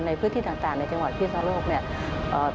ในพื้นที่ต่างในจังหวัดพิศนโลกเนี่ย